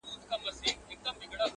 په عذاب رانه د كلي سودخوران دي!.